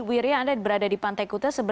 wiryadinate berada di pantai kuta